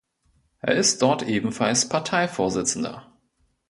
Er ist dort ebenfalls Parteivorsitzender.